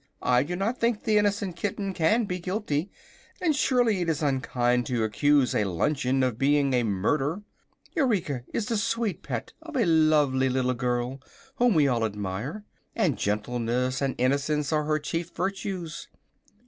I do not think the innocent kitten can be guilty, and surely it is unkind to accuse a luncheon of being a murder. Eureka is the sweet pet of a lovely little girl whom we all admire, and gentleness and innocence are her chief virtues.